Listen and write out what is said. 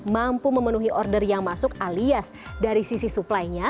mampu memenuhi order yang masuk alias dari sisi suplainya